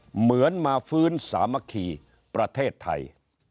เหมือนมาฟื้นสามัคคีประเทศไทย